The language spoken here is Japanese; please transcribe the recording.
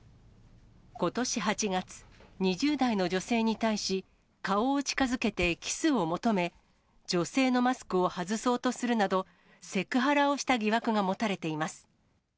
ことし８月、２０代の女性に対し、顔を近づけてキスを求め、女性のマスクを外そうとするなど、セクハラをした疑惑が持たれています。